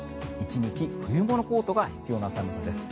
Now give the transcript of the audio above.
１日冬物コートが必要な寒さです。